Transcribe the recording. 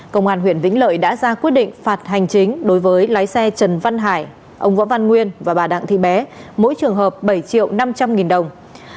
công an huyện vĩnh lợi đã ra quyết định phạt hành chính đối với lái xe trần văn hải ông võ văn nguyên và bà đặng thị bé mỗi trường hợp bảy triệu năm trăm linh nghìn đồng